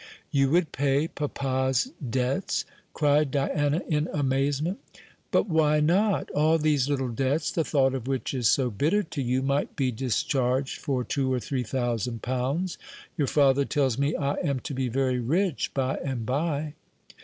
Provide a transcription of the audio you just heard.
"You would pay papa's debts!" cried Diana in amazement. "But why not? All these little debts, the thought of which is so bitter to you, might be discharged for two or three thousand pounds. Your father tells me I am to be very rich by and by."